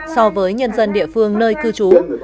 so với nhân dân địa phương nơi cư trú